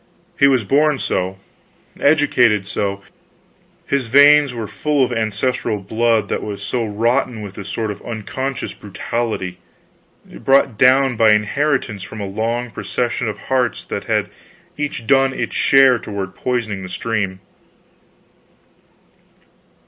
He was born so, educated so, his veins were full of ancestral blood that was rotten with this sort of unconscious brutality, brought down by inheritance from a long procession of hearts that had each done its share toward poisoning the stream.